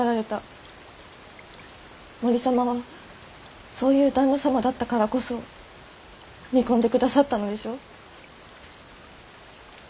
森様はそういう旦那様だったからこそ見込んでくださったのでしょう？